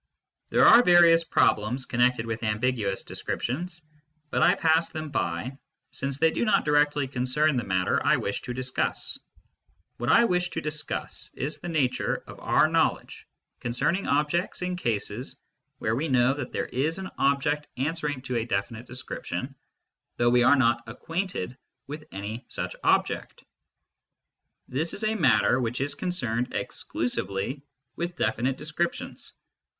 There are various problems connected with ambiguous descriptions, but I pass them by, since they do not directly concern the matter I wish to discuss. What I wish tojiiscuss is the nature of our knowledge concerning objects in cases where we know that there is an object answering to a definite description, with any such object. This is a matter which is concerned exclusively with definite descriptions.